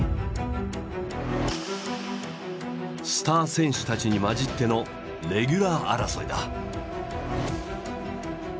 スター選手たちに交じってのレギュラー争いだ。